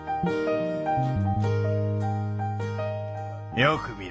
よく見ろ。